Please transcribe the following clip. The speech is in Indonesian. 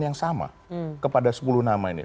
yang sama kepada sepuluh nama ini